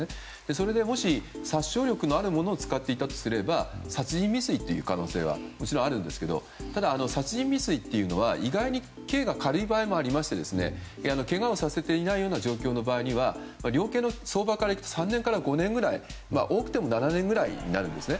それでもし殺傷力のあるものを使っていたとすれば殺人未遂という可能性はもちろんあるんですがただ、殺人未遂というのは意外に刑が軽い場合もありましてけがをさせていないような状況の場合は量刑の相場から言って３年から５年くらい多くても７年ぐらいになるんですね。